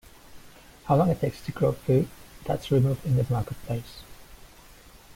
How long it takes to grow food - that's removed in the marketplace.